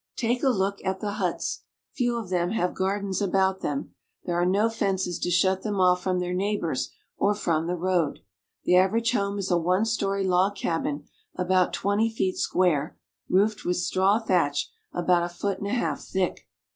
Take a look at the huts ! Few of them have gar dens about them. There are no fences to shut them off from their neighbors or from the road. The average home is a one story log cabin, about twenty feet square, roofed with straw thatch about a foot and a half thick.